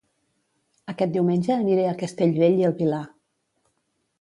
Aquest diumenge aniré a Castellbell i el Vilar